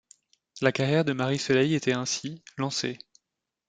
La carrière de Marie-Soleil était ainsi, lancée.